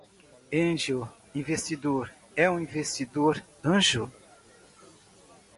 Angel Investor é um investidor anjo.